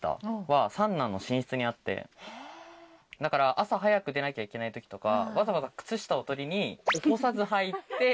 だから朝早く出なきゃいけない時とかわざわざ靴下を取りに起こさず入って。